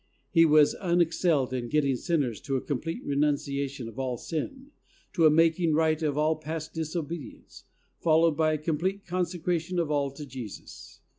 He was unexcelled in getting sinners to a complete renunciation of all sin, to a making right of all past disobedience, followed by a complete consecration of all to Jesus.